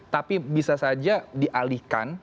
tapi bisa saja dialihkan